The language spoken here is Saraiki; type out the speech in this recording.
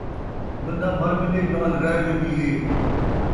بندہ مر ویندے ڳالھ ریہہ ویندی ہے